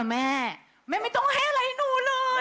แม่แม่ไม่ต้องให้อะไรหนูเลย